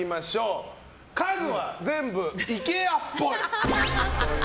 家具は全部ＩＫＥＡっぽい。